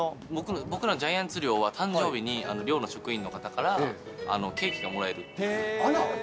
僕ら、ジャイアンツ寮は、誕生日に、寮の職員の方から、ケーキがもらあら、すてきな。